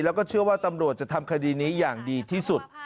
แล้วก็เชื่อว่าตำรวจจะทำคดีนี้อย่างดีที่สุด